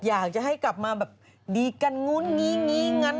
อยากจะให้กลับมาแบบดีกันงุ้นงี้งั้น